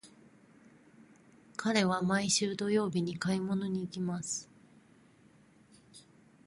彼は毎週土曜日に買い物に行きます。